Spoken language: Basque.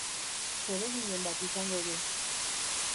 Zereginen bat izango du.